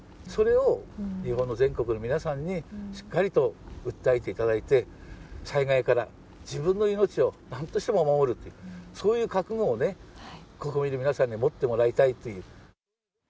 それを日本の全国の皆さんにしっかりと訴えていただいて、災害から自分の命をなんとしても守るっていう、そういう覚悟をね、国民の皆さんに持ってもらいたいという。